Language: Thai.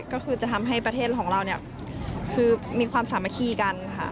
ก็คือจะทำให้ประเทศของเราเนี่ยคือมีความสามัคคีกันค่ะ